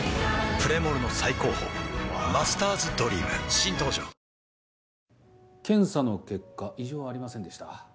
プレモルの最高峰「マスターズドリーム」新登場ワオ検査の結果異常はありませんでした。